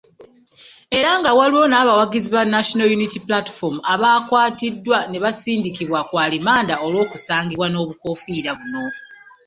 Era nga waliwo n'abawagizi ba National Unity Platform abaakwatiddwa nebasindikibwa ku alimanda olw'okusangibwa n'obukoofiira buno.